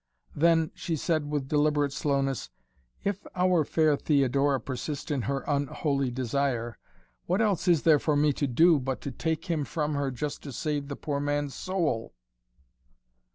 "Then," she said with deliberate slowness, "if our fair Theodora persist in her unholy desire, what else is there for me to do but to take him from her just to save the poor man's soul?"